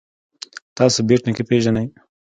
تاسو بېټ نیکه پيژنئ.